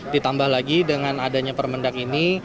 ditambah lagi dengan adanya permendak ini